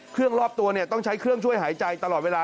เครื่องรอบตัวเนี่ยต้องใช้เครื่องช่วยหายใจตลอดเวลา